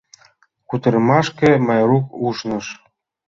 Кутырымашке Майрук ушныш.